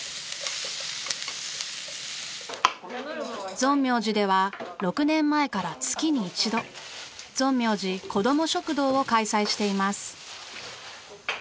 存明寺では６年前から月に１度ぞんみょうじこども食堂を開催しています。